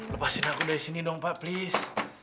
lepasin aku dari sini dong pak please